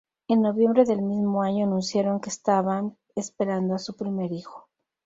En noviembre del mismo año anunciaron que estaban esperando a su primer hijo.